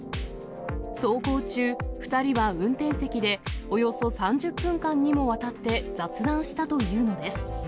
走行中、２人は運転席でおよそ３０分間にもわたって雑談したというのです。